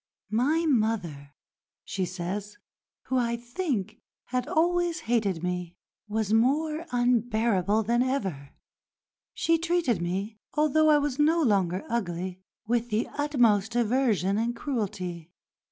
"My mother," she says, "who, I think, had always hated me, was more unbearable than ever. She treated me, although I was no longer ugly, with the utmost aversion and cruelty.